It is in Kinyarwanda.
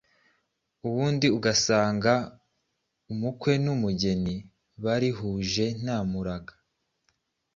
ubundi ugasanga umukwe n’umugeni barihuje nta muranga,